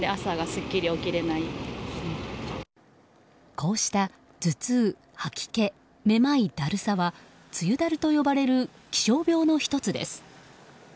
こうした頭痛、吐き気、めまい、だるさは梅雨だると呼ばれる気象病の１つです。